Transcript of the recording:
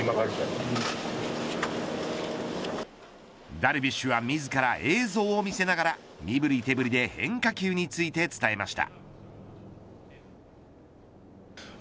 ダルビッシュは自ら映像を見せながら身ぶり手ぶりで変化球について伝えました。